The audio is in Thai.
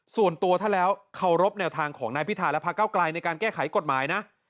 ส่วนตัวถ้าแล้วเคารพแนวทางของนายพิธาและพระเก้าไกลในการแก้ไขกฎหมายนะ